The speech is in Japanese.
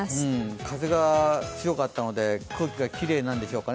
風が強かったので、空気がきれいなんでしょうかね。